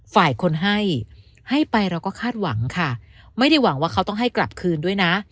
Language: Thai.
ฝ่ายคนให้ให้ไปเราก็คาดหวังค่ะไม่ได้หวังว่าเขาต้องให้กลับคืนด้วยนะ